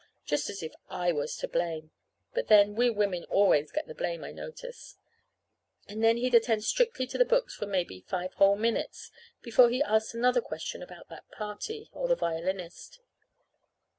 Just as if I was to blame! (But, then, we women always get the blame, I notice.) And then he'd attend strictly to the books for maybe five whole minutes before he asked another question about that party, or the violinist.